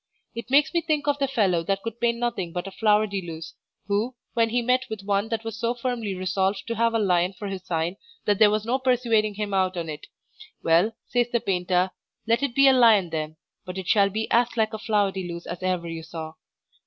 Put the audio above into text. It makes me think of the fellow that could paint nothing but a flower de luce, who, when he met with one that was so firmly resolved to have a lion for his sign that there was no persuading him out on't, "Well," says the painter, "let it be a lion then, but it shall be as like a flower de luce as e'er you saw."